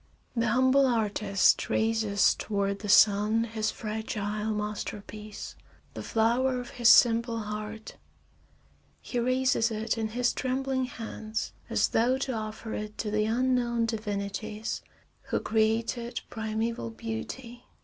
The humble artist raises toward the sun his fragile masterpiece, the flower of his simple heart; he raises it in his trembling hands as though to offer it to the unknown divinities who created primeval beauty.